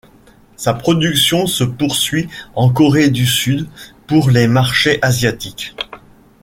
Sa production se poursuit en Corée du Sud pour les marchés asiatiques.